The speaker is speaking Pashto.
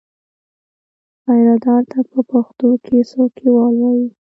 پیرهدار ته په پښتو کې څوکیوال وایي.